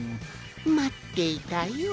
まっていたよ